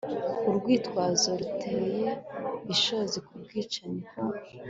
Urwitwazo ruteye ishozi kubwicanyi ko